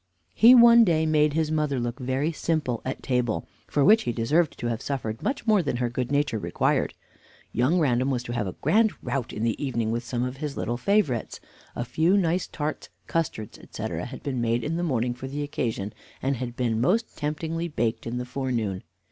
He one day made his mother look very simple at table, for which he deserved to have suffered much more than her good nature required. Young Random was to have a grand rout in the evening with some of his little favorites. A few nice tarts, custards, etc., had been made in the morning for the occasion, and had been most temptingly baked in the forenoon.